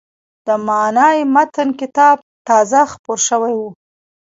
د «معنای متن» کتاب تازه خپور شوی و.